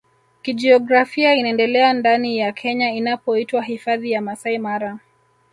kijiografia inaendelea ndani ya Kenya inapoitwa Hifadhi ya Masai Mara